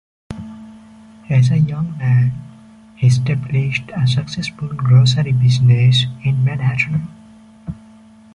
As a young man, he established a successful grocery business in Manhattan.